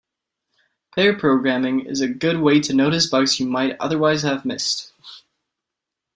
Pair programming is a good way to notice bugs you might otherwise have missed.